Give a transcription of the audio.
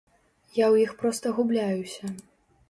Я ў іх проста губляюся.